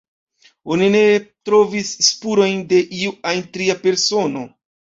Oni ne trovis spurojn de iu ajn tria persono.